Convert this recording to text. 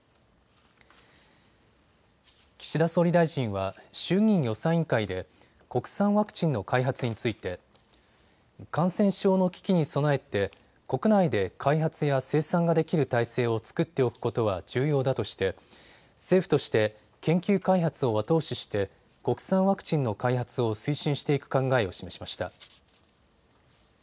岸田総理大臣は衆議院予算委員会で国産ワクチンの開発について感染症の危機に備えて国内で開発や生産ができる体制を作っておくことは重要だとして政府として研究開発を後押しして国産ワクチンの開発を推進していく考えを示しました。